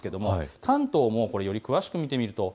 関東、より詳しく見ていきます。